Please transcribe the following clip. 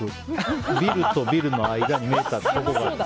ビルとビルの間に見えたところがあって。